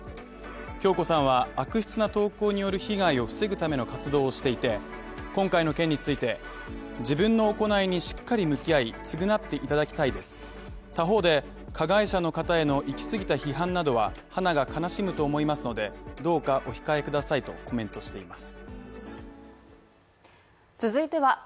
響子さんは、悪質な投稿による被害を防ぐための活動をしていて今回の件について、自分の行いにしっかり向き合い償っていただきたいです、他方で加害者の方への行き過ぎた批判などは花が悲しむと思いますのでどうかお控えくださいとコメントしています。